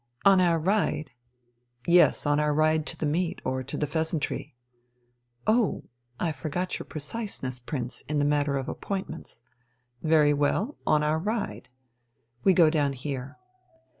"On our ride?" "Yes, on our ride to the meet, or to the 'Pheasantry.'" "Oh, I forgot your preciseness, Prince, in the matter of appointments. Very well, on our ride. We go down here."